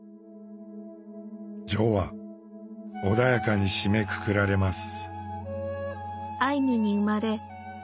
「序」は穏やかに締めくくられます。